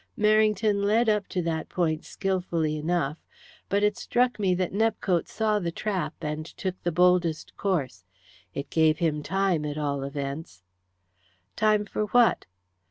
Merrington led up to that point skilfully enough, but it struck me that Nepcote saw the trap, and took the boldest course. It gave him time, at all events." "Time for what?"